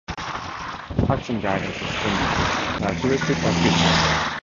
Axon guidance is genetically associated with other characteristics or features.